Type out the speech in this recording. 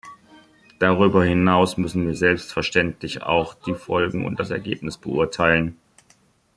Darüber hinaus müssen wir selbstverständlich auch die Folgen und das Ergebnis beurteilen.